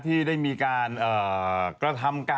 ที่ได้มีการกระทำการ